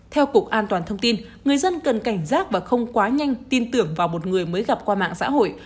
theo cục an toàn thông tin người dân cần cảnh giác và không quá nhanh tin tưởng vào một người mới gặp qua mạng xã hội